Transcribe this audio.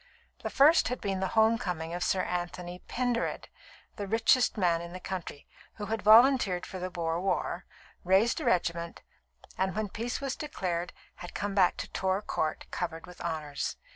The first had been the home coming of Sir Anthony Pendered, the richest man in the county, who had volunteered for the Boer war, raised a regiment, and, when peace was declared, had come back to Torr Court covered with honours.